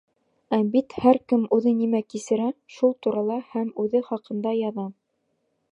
Ә бит һәр кем үҙе нимә кисерә, шул турала һәм үҙе хаҡында яҙа.